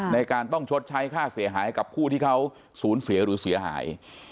ในการต้องชดใช้ค่าเสียหายให้กับผู้ที่เขาสูญเสียหรือเสียหาย